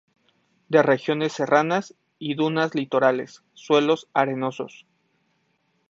De regiones serranas y dunas litorales, suelos arenosos.